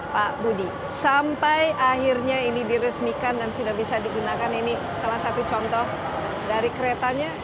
pak budi sampai akhirnya ini diresmikan dan sudah bisa digunakan ini salah satu contoh dari keretanya